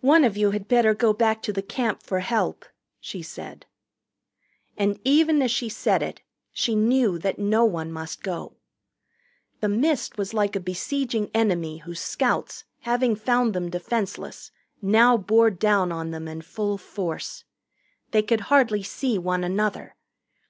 "One of you had better go back to the Camp for help," she said. And even as she said it she knew that no one must go. The mist was like a besieging enemy whose scouts having found them defenseless now bore down on them in full force. They could hardly see one another.